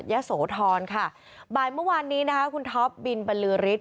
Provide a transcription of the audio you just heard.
ยะโสธรค่ะบ่ายเมื่อวานนี้นะคะคุณท็อปบินบรรลือฤทธ